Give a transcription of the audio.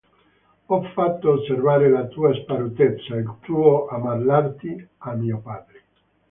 Ho fatto osservare la tua sparutezza, il tuo ammalarti, a mio padre.